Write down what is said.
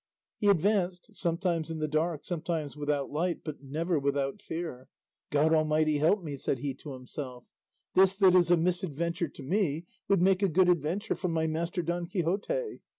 He advanced, sometimes in the dark, sometimes without light, but never without fear; "God Almighty help me!" said he to himself; "this that is a misadventure to me would make a good adventure for my master Don Quixote.